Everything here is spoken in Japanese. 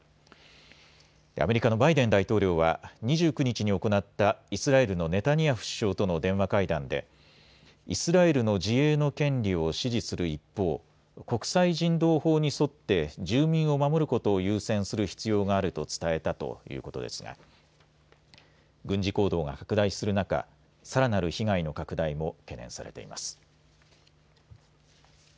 アメリカのバイデン大統領は２９日に行ったイスラエルのネタニヤフ首相との電話会談でイスラエルの自衛の権利を支持する一方、国際人道法に沿って住民を守ることを優先する必要があると伝えたということですが軍事行動が拡大する中、さらなる被害の拡大も懸念されます。